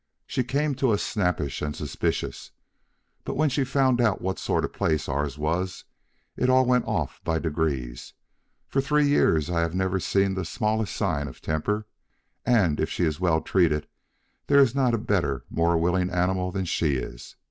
She came to us snappish and suspicious, but when she found what sort of place ours was, it all went off by degrees; for three years I have never seen the smallest sign of temper, and if she is well treated there is not a better, more willing animal than she is.